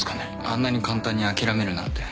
あんなに簡単に諦めるなんて。